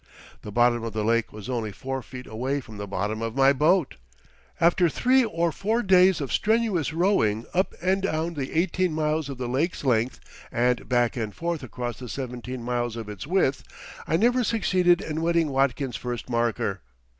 The bottom of the lake was only four feet away from the bottom of my boat! After three or four days of strenuous rowing up and down the eighteen miles of the lake's length, and back and forth across the seventeen miles of its width, I never succeeded in wetting Watkins's first marker!